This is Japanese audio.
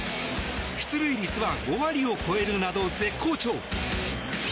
出塁率は５割を超えるなど絶好調。